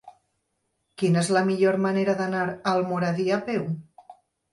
Quina és la millor manera d'anar a Almoradí a peu?